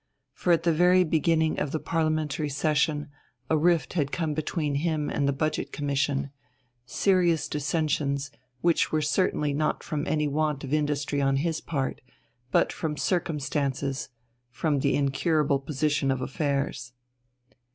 For at the very beginning of the Parliamentary session a rift had come between him and the Budget Commission serious dissensions, which were certainly not from any want of industry on his part, but from the circumstances, from the incurable position of affairs.